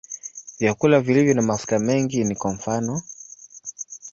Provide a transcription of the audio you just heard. Vyakula vilivyo na mafuta mengi ni kwa mfano.